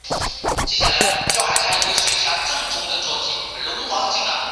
神山由美子是日本兵库县出身的剧本作家。